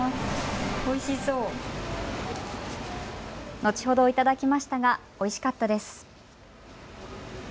後ほど頂きましたが、おいしかったです。